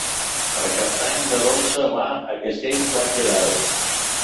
Per Cap d'Any na Dolça va a Castell-Platja d'Aro.